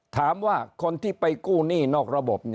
ถามว่าคนที่ไปกู้หนี้นอกระบบ